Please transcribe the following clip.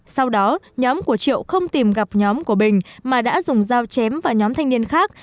sau đó nhóm của triệu không tìm gặp nhóm của bình mà đã dùng dao chém vào nhóm thanh niên khác